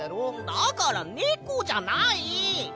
だからネコじゃない！